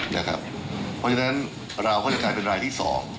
เพราะฉะนั้นเราก็จะกลายเป็นรายที่๒